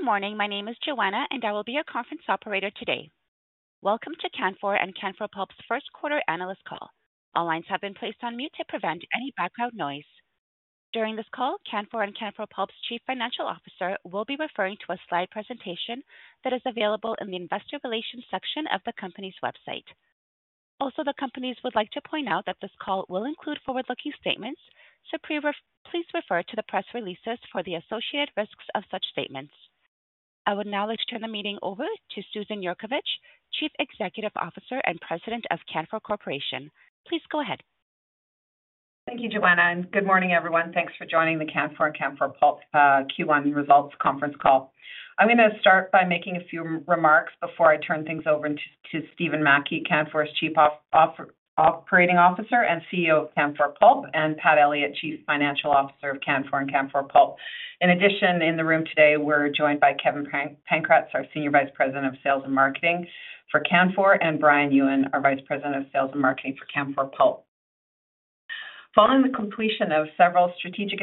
Good morning. My name is Joanna, and I will be your conference operator today. Welcome to Canfor and Canfor Pulp's first quarter analyst call. All lines have been placed on mute to prevent any background noise. During this call, Canfor and Canfor Pulp's Chief Financial Officer will be referring to a slide presentation that is available in the Investor Relations section of the company's website. Also, the companies would like to point out that this call will include forward-looking statements, so please refer to the press releases for the associated risks of such statements. I would now like to turn the meeting over to Susan Yurkovich, Chief Executive Officer and President of Canfor Corporation. Please go ahead. Thank you, Joanna, and good morning, everyone. Thanks for joining the Canfor and Canfor Pulp Q1 results conference call. I'm going to start by making a few remarks before I turn things over to Stephen Mackie, Canfor's Chief Operating Officer and CEO of Canfor Pulp, and Pat Elliott, Chief Financial Officer of Canfor and Canfor Pulp. In addition, in the room today, we're joined by Kevin Pankratz, our Senior Vice President of Sales and Marketing for Canfor, and Brian Yuen, our Vice President of Sales and Marketing for Canfor Pulp. Following the completion of several strategic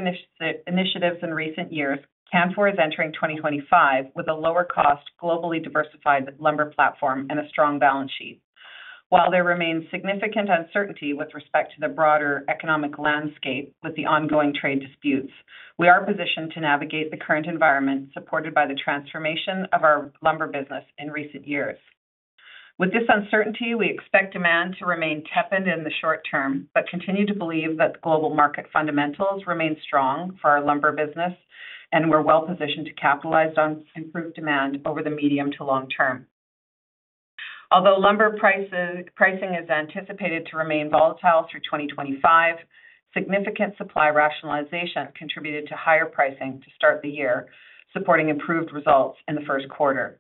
initiatives in recent years, Canfor is entering 2025 with a lower-cost, globally diversified lumber platform and a strong balance sheet. While there remains significant uncertainty with respect to the broader economic landscape with the ongoing trade disputes, we are positioned to navigate the current environment supported by the transformation of our lumber business in recent years. With this uncertainty, we expect demand to remain tepid in the short term, but continue to believe that the global market fundamentals remain strong for our lumber business, and we're well positioned to capitalize on improved demand over the medium to long term. Although lumber pricing is anticipated to remain volatile through 2025, significant supply rationalization contributed to higher pricing to start the year, supporting improved results in the first quarter.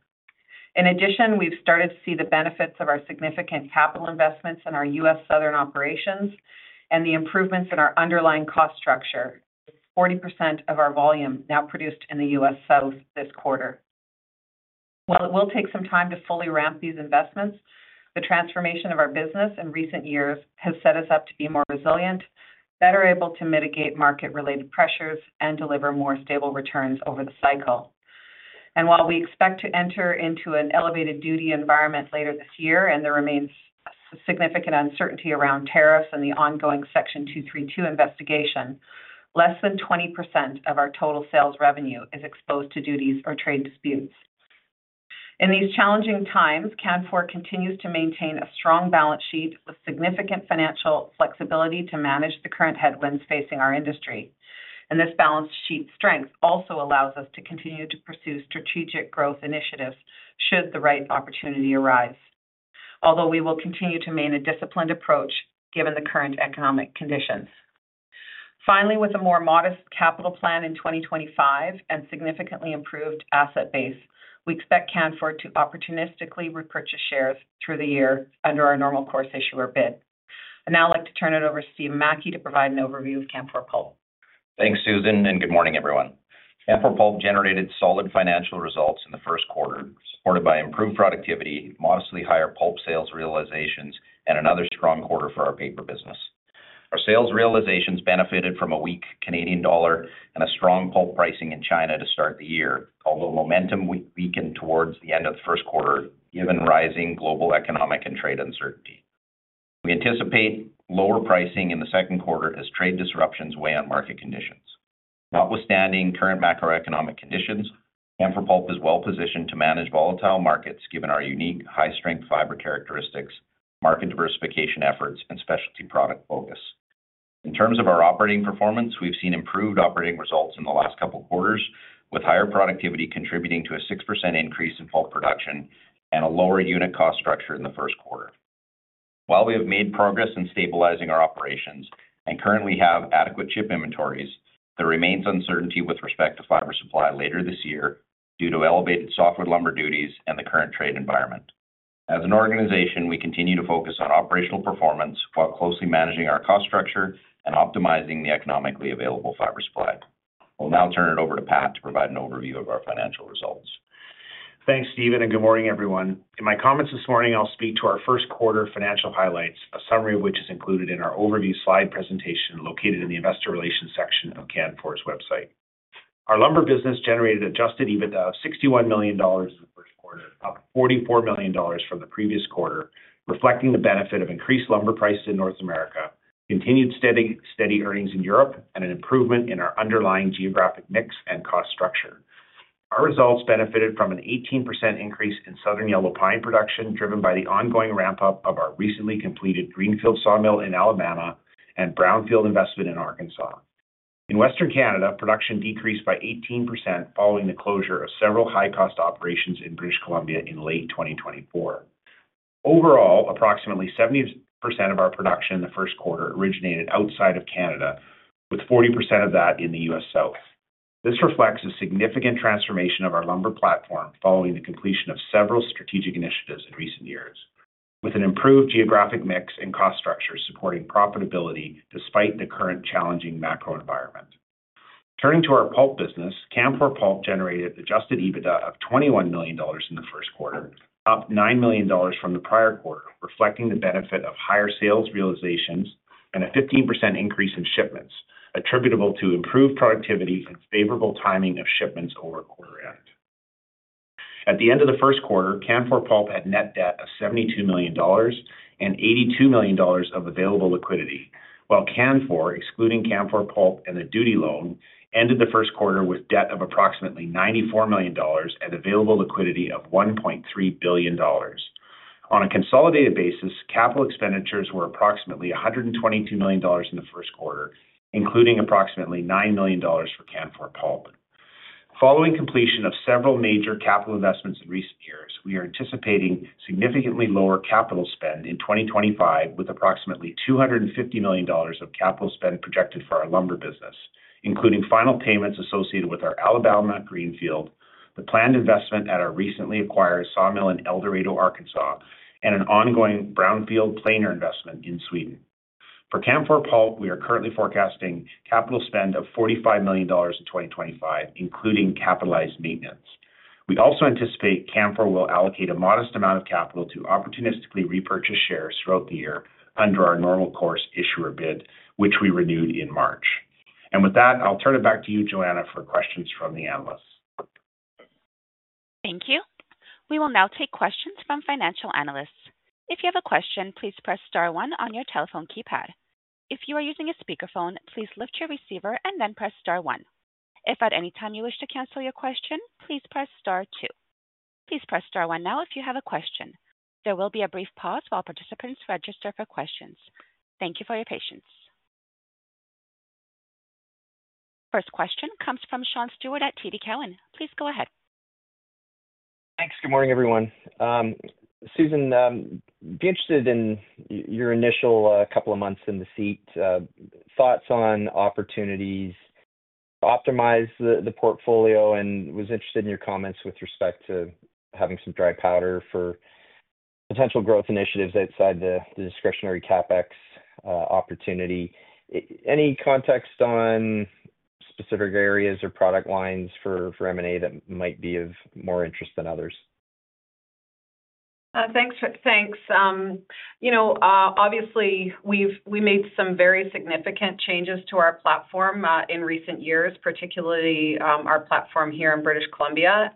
In addition, we've started to see the benefits of our significant capital investments in our U.S. Southern operations and the improvements in our underlying cost structure, with 40% of our volume now produced in the U.S. South this quarter. While it will take some time to fully ramp these investments, the transformation of our business in recent years has set us up to be more resilient, better able to mitigate market-related pressures, and deliver more stable returns over the cycle. While we expect to enter into an elevated duty environment later this year, and there remains significant uncertainty around tariffs and the ongoing Section 232 investigation, less than 20% of our total sales revenue is exposed to duties or trade disputes. In these challenging times, Canfor continues to maintain a strong balance sheet with significant financial flexibility to manage the current headwinds facing our industry. This balance sheet strength also allows us to continue to pursue strategic growth initiatives should the right opportunity arise, although we will continue to maintain a disciplined approach given the current economic conditions. Finally, with a more modest capital plan in 2025 and significantly improved asset base, we expect Canfor to opportunistically repurchase shares through the year under our Normal Course Issuer Bid. I would now like to turn it over to Steve Mackie to provide an overview of Canfor Pulp. Thanks, Susan, and good morning, everyone. Canfor Pulp generated solid financial results in the first quarter, supported by improved productivity, modestly higher pulp sales realizations, and another strong quarter for our paper business. Our sales realizations benefited from a weak Canadian dollar and strong pulp pricing in China to start the year, although momentum weakened towards the end of the first quarter given rising global economic and trade uncertainty. We anticipate lower pricing in the second quarter as trade disruptions weigh on market conditions. Notwithstanding current macroeconomic conditions, Canfor Pulp is well positioned to manage volatile markets given our unique high-strength fiber characteristics, market diversification efforts, and specialty product focus. In terms of our operating performance, we've seen improved operating results in the last couple of quarters, with higher productivity contributing to a 6% increase in pulp production and a lower unit cost structure in the first quarter. While we have made progress in stabilizing our operations and currently have adequate chip inventories, there remains uncertainty with respect to fiber supply later this year due to elevated softwood lumber duties and the current trade environment. As an organization, we continue to focus on operational performance while closely managing our cost structure and optimizing the economically available fiber supply. I'll now turn it over to Pat to provide an overview of our financial results. Thanks, Stephen, and good morning, everyone. In my comments this morning, I'll speak to our first quarter financial highlights, a summary of which is included in our overview slide presentation located in the Investor Relations section of Canfor's website. Our lumber business generated adjusted EBITDA of $61 million in the first quarter, up $44 million from the previous quarter, reflecting the benefit of increased lumber prices in North America, continued steady earnings in Europe, and an improvement in our underlying geographic mix and cost structure. Our results benefited from an 18% increase in Southern Yellow Pine production driven by the ongoing ramp-up of our recently completed greenfield sawmill in Alabama and brownfield investment in Arkansas. In Western Canada, production decreased by 18% following the closure of several high-cost operations in British Columbia in late 2024. Overall, approximately 70% of our production in the first quarter originated outside of Canada, with 40% of that in the U.S. South. This reflects a significant transformation of our lumber platform following the completion of several strategic initiatives in recent years, with an improved geographic mix and cost structure supporting profitability despite the current challenging macro environment. Turning to our pulp business, Canfor Pulp generated adjusted EBITDA of $21 million in the first quarter, up $9 million from the prior quarter, reflecting the benefit of higher sales realizations and a 15% increase in shipments attributable to improved productivity and favorable timing of shipments over quarter end. At the end of the first quarter, Canfor Pulp had net debt of $72 million and $82 million of available liquidity, while Canfor, excluding Canfor Pulp and the duty loan, ended the first quarter with debt of approximately $94 million and available liquidity of $1.3 billion. On a consolidated basis, capital expenditures were approximately $122 million in the first quarter, including approximately $9 million for Canfor Pulp. Following completion of several major capital investments in recent years, we are anticipating significantly lower capital spend in 2025, with approximately $250 million of capital spend projected for our lumber business, including final payments associated with our Alabama greenfield, the planned investment at our recently acquired sawmill in El Dorado, Arkansas, and an ongoing brownfield planer investment in Sweden. For Canfor Pulp, we are currently forecasting capital spend of $45 million in 2025, including capitalized maintenance. We also anticipate Canfor will allocate a modest amount of capital to opportunistically repurchase shares throughout the year under our normal course issuer bid, which we renewed in March. With that, I'll turn it back to you, Joanna, for questions from the analysts. Thank you. We will now take questions from financial analysts. If you have a question, please press star one on your telephone keypad. If you are using a speakerphone, please lift your receiver and then press star one. If at any time you wish to cancel your question, please press star two. Please press star one now if you have a question. There will be a brief pause while participants register for questions. Thank you for your patience. First question comes from Sean Steuart at TD Cowen. Please go ahead. Thanks. Good morning, everyone. Susan, be interested in your initial couple of months in the seat, thoughts on opportunities to optimize the portfolio, and was interested in your comments with respect to having some dry powder for potential growth initiatives outside the discretionary CapEx opportunity. Any context on specific areas or product lines for M&A that might be of more interest than others? Thanks. Obviously, we've made some very significant changes to our platform in recent years, particularly our platform here in British Columbia.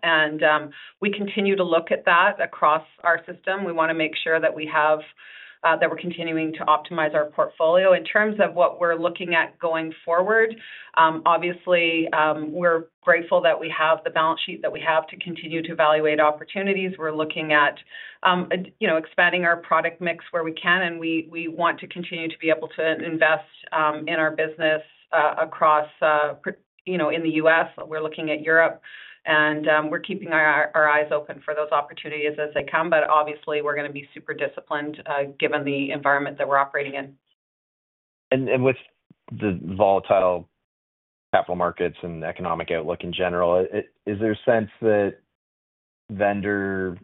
We continue to look at that across our system. We want to make sure that we're continuing to optimize our portfolio. In terms of what we're looking at going forward, obviously, we're grateful that we have the balance sheet that we have to continue to evaluate opportunities. We're looking at expanding our product mix where we can, and we want to continue to be able to invest in our business across in the U.S. We're looking at Europe, and we're keeping our eyes open for those opportunities as they come. Obviously, we're going to be super disciplined given the environment that we're operating in. With the volatile capital markets and economic outlook in general, is there a sense that vendor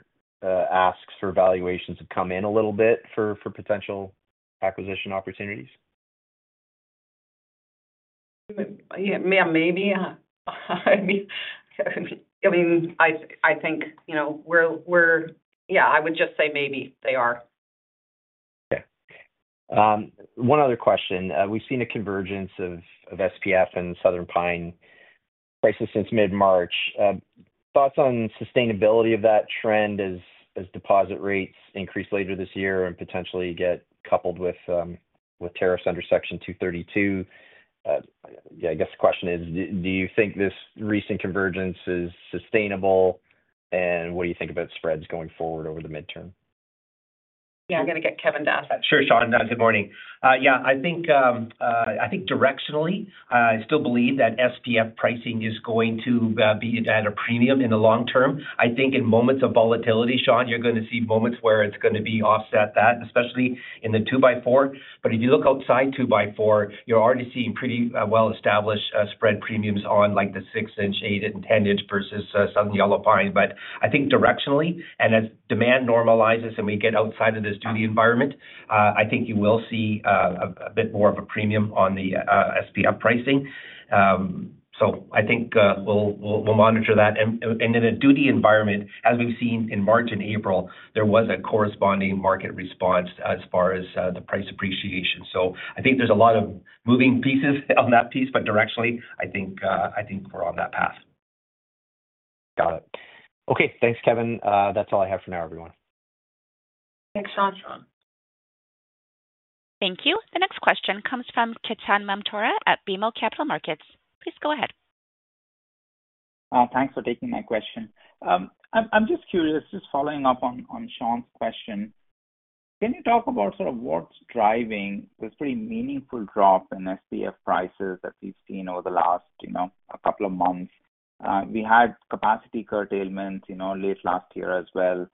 asks for valuations have come in a little bit for potential acquisition opportunities? Yeah, maybe. I mean, I think we're, yeah, I would just say maybe they are. Okay. One other question. We've seen a convergence of SPF and Southern Pine prices since mid-March. Thoughts on sustainability of that trend as deposit rates increase later this year and potentially get coupled with tariffs under Section 232? Yeah, I guess the question is, do you think this recent convergence is sustainable, and what do you think about spreads going forward over the midterm? Yeah, I'm going to get Kevin to ask that. Sure, Sean. Good morning. Yeah, I think directionally, I still believe that SPF pricing is going to be at a premium in the long term. I think in moments of volatility, Sean, you're going to see moments where it's going to be offset, especially in the 2x4. If you look outside 2x4, you're already seeing pretty well-established spread premiums on like the 6-inch, 8-inch, and 10-inch versus southern yellow pine. I think directionally, and as demand normalizes and we get outside of this duty environment, I think you will see a bit more of a premium on the SPF pricing. I think we'll monitor that. In a duty environment, as we've seen in March and April, there was a corresponding market response as far as the price appreciation. I think there's a lot of moving pieces on that piece, but directionally, I think we're on that path. Got it. Okay. Thanks, Kevin. That's all I have for now, everyone. Thanks, Sean. Thank you. The next question comes from Ketan Mamtora at BMO Capital Markets. Please go ahead. Thanks for taking my question. I'm just curious, just following up on Sean's question, can you talk about sort of what's driving this pretty meaningful drop in SPF prices that we've seen over the last couple of months? We had capacity curtailment late last year as well.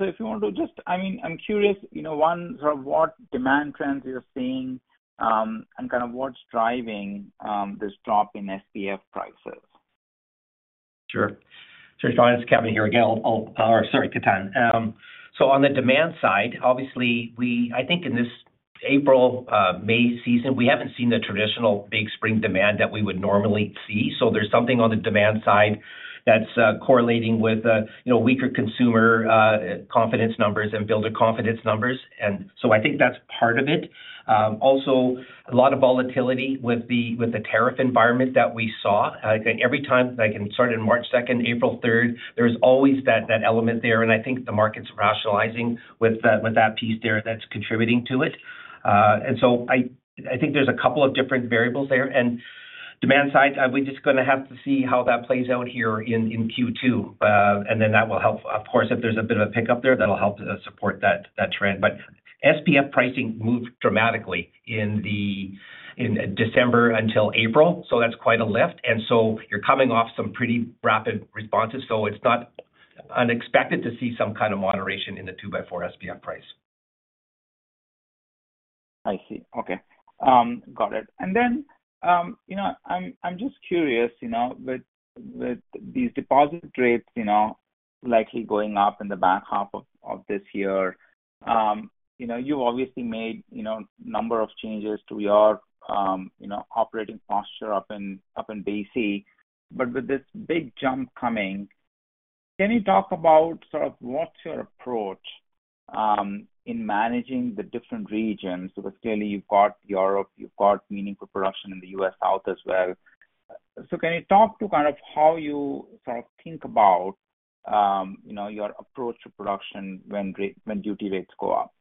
If you want to just, I mean, I'm curious, one, sort of what demand trends you're seeing and kind of what's driving this drop in SPF prices? Sure. Sure, Sean. It's Kevin here again. Or sorry, Ketan. On the demand side, obviously, I think in this April, May season, we have not seen the traditional big spring demand that we would normally see. There is something on the demand side that is correlating with weaker consumer confidence numbers and builder confidence numbers. I think that is part of it. Also, a lot of volatility with the tariff environment that we saw. Every time, like it started on March 2nd, April 3rd, there is always that element there. I think the market is rationalizing with that piece there that is contributing to it. I think there are a couple of different variables there. On the demand side, we are just going to have to see how that plays out here in Q2. That will help. Of course, if there's a bit of a pickup there, that'll help support that trend. SPF pricing moved dramatically in December until April. That is quite a lift. You are coming off some pretty rapid responses. It is not unexpected to see some kind of moderation in the 2x4 SPF price. I see. Okay. Got it. I am just curious, with these deposit rates likely going up in the back half of this year, you have obviously made a number of changes to your operating posture up in B.C.. With this big jump coming, can you talk about sort of what is your approach in managing the different regions? Clearly, you have got Europe, you have got meaningful production in the U.S. South as well. Can you talk to kind of how you sort of think about your approach to production when duty rates go up?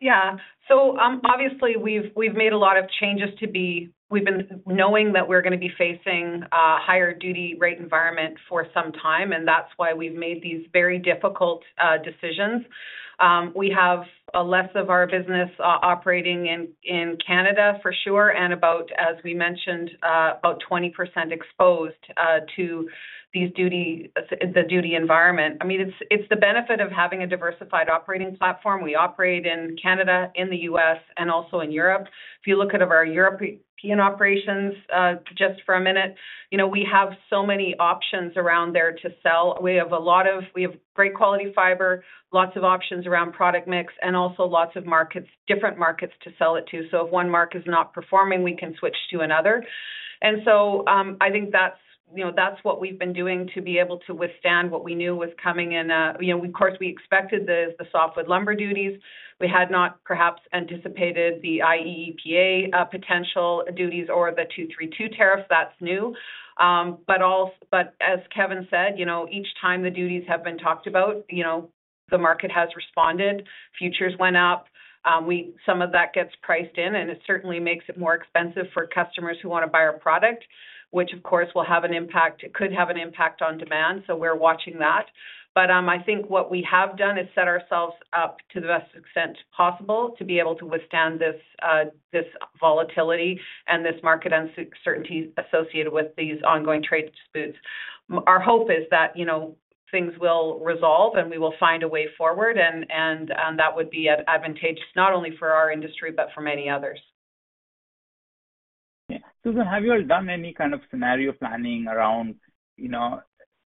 Yeah. So obviously, we've made a lot of changes to be—we've been knowing that we're going to be facing a higher duty rate environment for some time, and that's why we've made these very difficult decisions. We have less of our business operating in Canada, for sure, and, as we mentioned, about 20% exposed to the duty environment. I mean, it's the benefit of having a diversified operating platform. We operate in Canada, in the U.S., and also in Europe. If you look at our European operations just for a minute, we have so many options around there to sell. We have great quality fiber, lots of options around product mix, and also lots of different markets to sell it to. If one market is not performing, we can switch to another. I think that's what we've been doing to be able to withstand what we knew was coming in. Of course, we expected the softwood lumber duties. We had not perhaps anticipated the IEEPA potential duties or the 232 tariff. That's new. As Kevin said, each time the duties have been talked about, the market has responded. Futures went up. Some of that gets priced in, and it certainly makes it more expensive for customers who want to buy our product, which, of course, will have an impact. It could have an impact on demand. We're watching that. I think what we have done is set ourselves up to the best extent possible to be able to withstand this volatility and this market uncertainty associated with these ongoing trade disputes. Our hope is that things will resolve and we will find a way forward. That would be advantageous not only for our industry, but for many others. Okay. Susan, have you ever done any kind of scenario planning around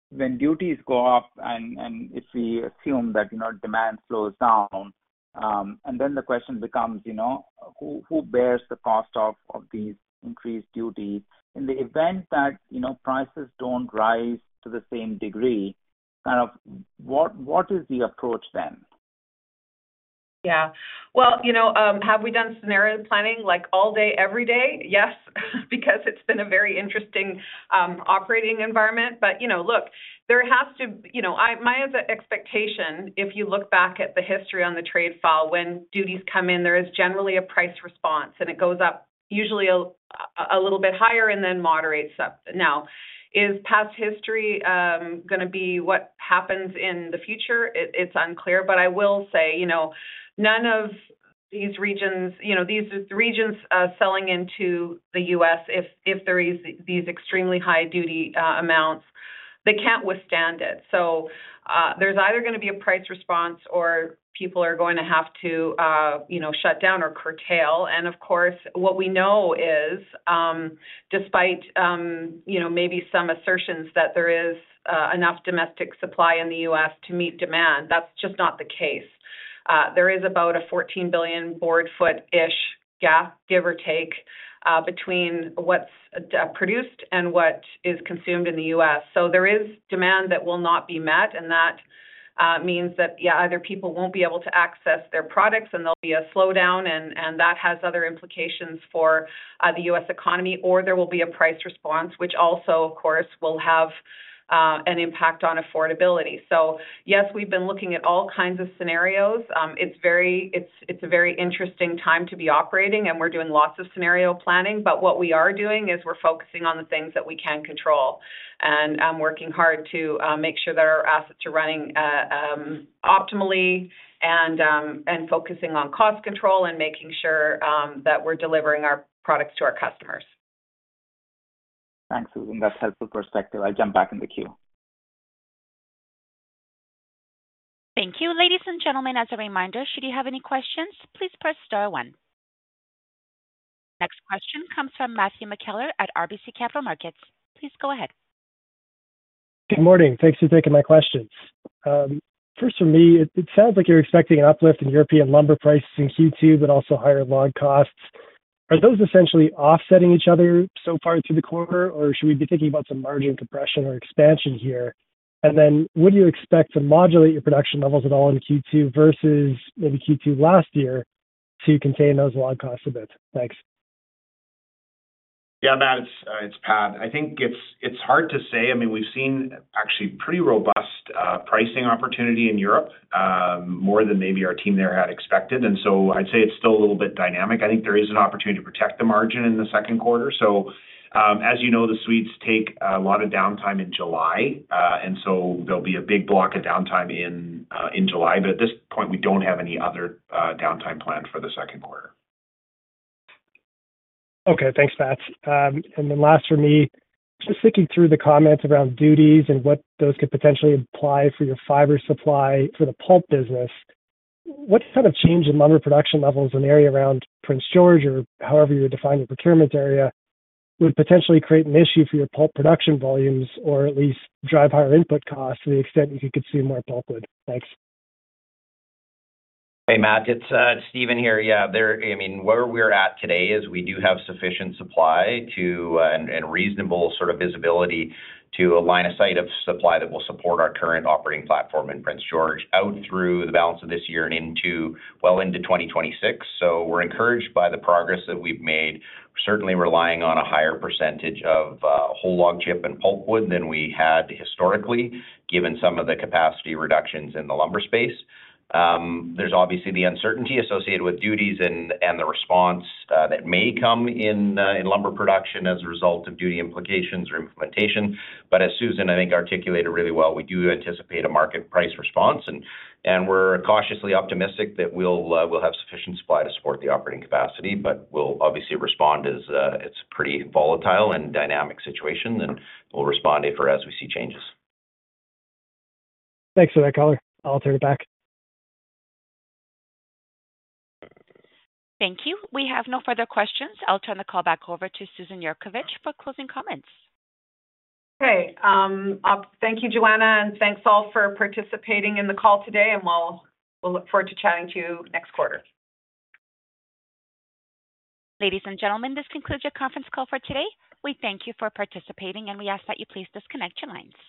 when duties go up and if we assume that demand slows down? The question becomes, who bears the cost of these increased duties? In the event that prices do not rise to the same degree, kind of what is the approach then? Yeah. Have we done scenario planning like all day, every day? Yes, because it's been a very interesting operating environment. Look, there has, to my expectation, if you look back at the history on the trade file when duties come in, there is generally a price response, and it goes up usually a little bit higher and then moderates up. Now, is past history going to be what happens in the future? It's unclear. I will say none of these regions, these regions selling into the U.S., if there are these extremely high duty amounts, they can't withstand it. There is either going to be a price response or people are going to have to shut down or curtail. Of course, what we know is, despite maybe some assertions that there is enough domestic supply in the U.S. to meet demand, that's just not the case. There is about a 14 billion boardfoot-ish gap, give or take, between what is produced and what is consumed in the U.S. So there is demand that will not be met. That means that, yeah, either people will not be able to access their products and there will be a slowdown, and that has other implications for the U.S. economy, or there will be a price response, which also, of course, will have an impact on affordability. Yes, we have been looking at all kinds of scenarios. It is a very interesting time to be operating, and we are doing lots of scenario planning. What we are doing is we are focusing on the things that we can control and working hard to make sure that our assets are running optimally and focusing on cost control and making sure that we are delivering our products to our customers. Thanks, Susan. That's helpful perspective. I'll jump back in the queue. Thank you. Ladies and gentlemen, as a reminder, should you have any questions, please press star one. Next question comes from Matthew McKellar at RBC Capital Markets. Please go ahead. Good morning. Thanks for taking my questions. First, for me, it sounds like you're expecting an uplift in European lumber prices in Q2, but also higher log costs. Are those essentially offsetting each other so far through the quarter, or should we be thinking about some margin compression or expansion here? Would you expect to modulate your production levels at all in Q2 versus maybe Q2 last year to contain those log costs a bit? Thanks. Yeah, Matt, it's Pat. I think it's hard to say. I mean, we've seen actually pretty robust pricing opportunity in Europe more than maybe our team there had expected. I'd say it's still a little bit dynamic. I think there is an opportunity to protect the margin in the second quarter. As you know, the Swedes take a lot of downtime in July. There'll be a big block of downtime in July. At this point, we don't have any other downtime planned for the second quarter. Okay. Thanks, Pat. Last for me, just thinking through the comments around duties and what those could potentially imply for your fiber supply for the pulp business, what kind of change in lumber production levels in the area around Prince George or however you define your procurement area would potentially create an issue for your pulp production volumes or at least drive higher input costs to the extent you could consume more pulp wood? Thanks. Hey, Matt. It's Stephen here. Yeah. I mean, where we're at today is we do have sufficient supply and reasonable sort of visibility to align a site of supply that will support our current operating platform in Prince George out through the balance of this year and well into 2026. We are encouraged by the progress that we've made, certainly relying on a higher percentage of whole log chip and pulp wood than we had historically, given some of the capacity reductions in the lumber space. There is obviously the uncertainty associated with duties and the response that may come in lumber production as a result of duty implications or implementation. As Susan, I think, articulated really well, we do anticipate a market price response. We are cautiously optimistic that we'll have sufficient supply to support the operating capacity. We will obviously respond as it's a pretty volatile and dynamic situation, and we'll respond if or as we see changes. Thanks for that, color. I'll turn it back. Thank you. We have no further questions. I'll turn the call back over to Susan Yurkovich for closing comments. Okay. Thank you, Joanna. Thank you all for participating in the call today. We look forward to chatting to you next quarter. Ladies and gentlemen, this concludes your conference call for today. We thank you for participating, and we ask that you please disconnect your lines.